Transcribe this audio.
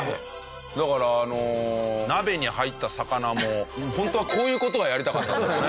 だからあの鍋に入った魚もホントはこういう事がやりたかったんだろうね。